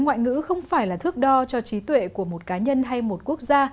ngoại ngữ không phải là thước đo cho trí tuệ của một cá nhân hay một quốc gia